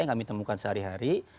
yang kami temukan sehari hari